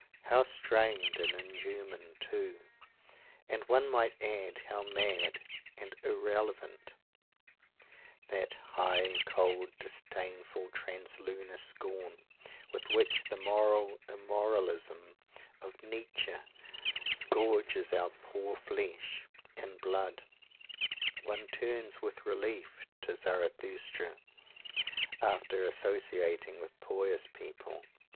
How strained and inhuman, too; and one might add, how mad and irrelevant that high, cold, disdainful translunar scorn with which the "moral immoralism" of Nietzsche scourges our poor flesh and blood. One turns with relief to Zarathustra after associating with pious people.